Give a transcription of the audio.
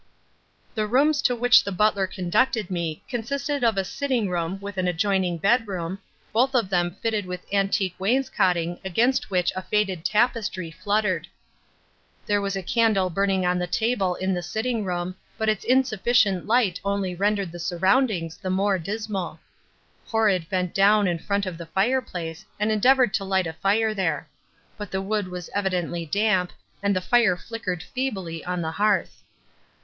The rooms to which the butler conducted me consisted of a sitting room with an adjoining bedroom, both of them fitted with antique wainscoting against which a faded tapestry fluttered. There was a candle burning on the table in the sitting room, but its insufficient light only rendered the surroundings the more dismal. Horrod bent down in front of the fireplace and endeavoured to light a fire there. But the wood was evidently damp and the fire flickered feebly on the hearth.